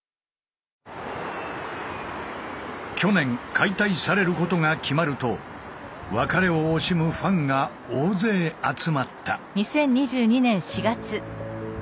去年解体されることが決まると別れを惜しむファンが大勢集まった。